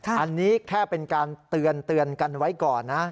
อันนี้แค่เป็นการเตือนกันไว้ก่อนนะ